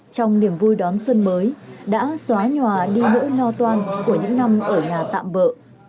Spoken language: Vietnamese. trong niềm vui đón xuân mới đã xóa nhòa đi nỗi lo toan của những năm ở nhà tạm bỡ